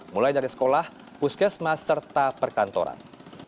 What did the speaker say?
mulai dari sekolah puskesmas serta perkantoran